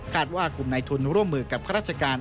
ว่ากลุ่มในทุนร่วมมือกับข้าราชการ